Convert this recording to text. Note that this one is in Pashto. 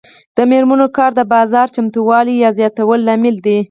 د میرمنو کار د کار بازار چمتووالي زیاتولو لامل دی.